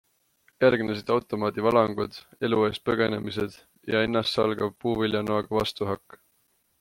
Järgnesid automaadivalangud, elu eest põgenemised ja ennastsalgav puuviljanoaga vastuhakk.